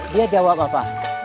dia jawab apa